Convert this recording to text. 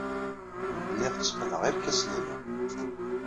Lliɣ tteqqneɣ irkasen-inu.